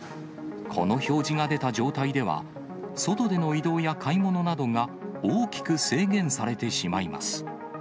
この表示が出た状態では、外での移動や買い物などが大きく制限されてしまいます。